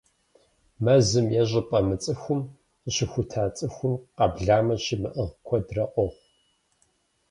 Мэзым е щӀыпӀэ мыцӀыхум къыщыхута цӀыхум къэблэмэ щимыӀыгъ куэдрэ къохъу.